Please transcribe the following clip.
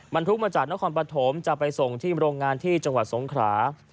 บรรทุกมาจากนครปฐมจะไปส่งที่โรงงานที่จังหวัดสงขรา